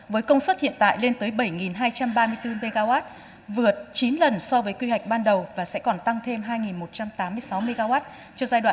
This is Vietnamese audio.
với công suất hiện tại lên tới bảy hai trăm ba mươi bốn mw vượt chín lần so với quy hoạch ban đầu và sẽ còn tăng thêm hai một trăm tám mươi sáu mw cho giai đoạn hai nghìn hai mươi hai nghìn ba mươi